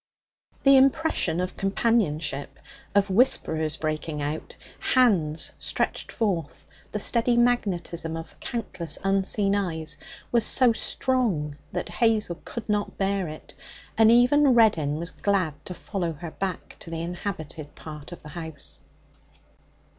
The impression of companionship of whisperers breaking out, hands stretched forth, the steady magnetism of countless unseen eyes was so strong that Hazel could not bear it, and even Reddin was glad to follow her back to the inhabited part of the house.